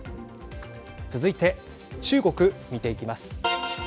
続いて、中国見ていきます。